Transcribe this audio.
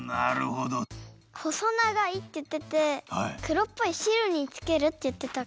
ほそながいっていっててくろっぽいしるにつけるっていってた。